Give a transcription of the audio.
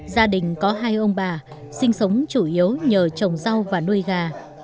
gia đình có hai ông bà sinh sống chủ yếu nhờ trồng rau và nuôi gà